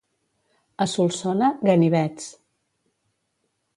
A Solsona, ganivets.